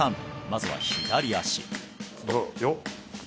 まずは左足よっ